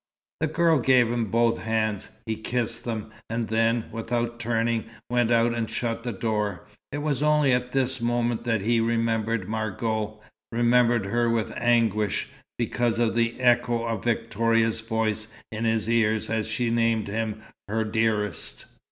The girl gave him both hands. He kissed them, and then, without turning, went out and shut the door. It was only at this moment that he remembered Margot, remembered her with anguish, because of the echo of Victoria's voice in his ears as she named him her "dearest."